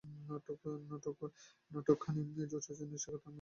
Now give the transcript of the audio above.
নাটকখানি যে উচ্চশ্রেণীর সেকথা আমি পূর্বেই বলিয়াছি।